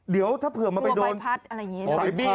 เดี๋ยวถ้าเผื่อมาไปโดนสายบีนเล็กในห้องเครื่อง